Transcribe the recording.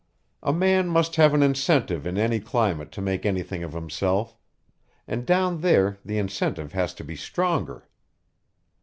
A man must have an incentive in any climate to make anything of himself and down there the incentive has to be stronger."